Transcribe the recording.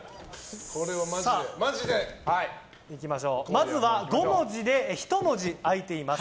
まずは５文字で１文字開いています。